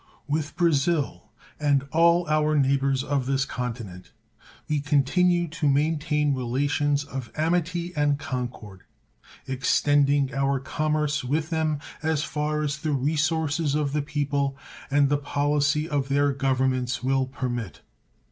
With Brazil and all our neighbors of this continent we continue to maintain relations of amity and concord, extending our commerce with them as far as the resources of the people and the policy of their Governments will permit.